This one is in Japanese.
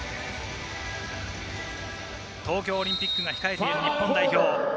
東京オリンピックが控えている日本代表。